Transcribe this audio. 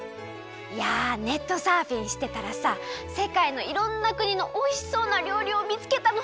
いやネットサーフィンしてたらさせかいのいろんなくにのおいしそうなりょうりをみつけたの。